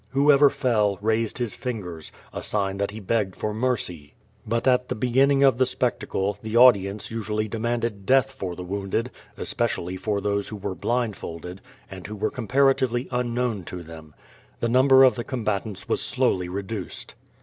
Who ever fell, raised his fingers, a sign that he begged for mercy. lUit at the beginning of the spectacle, the audience usually demanded death for tile wounded, especially for those who were blindfolded, and who were comparatively unknown to them. The number of the combatants was slowly reduced.